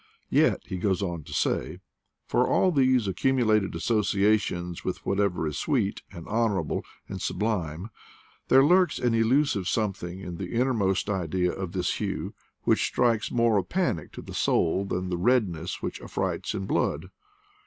"Yet," h e g° es on to say, "for all these accumulated associations with whatever is sweet, and honorable, and sublime, there lurks an illusive something in the innermost idea of this hue which strikes more of panic to the soul than the red ness which affrights in blood."